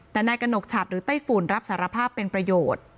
แต่นายกระหนกฉัดหรือไต้ฝุ่นรับสารภาพเป็นประโยชน์